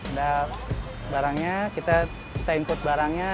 ada barangnya kita bisa input barangnya